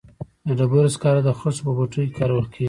د ډبرو سکاره د خښتو په بټیو کې کارول کیږي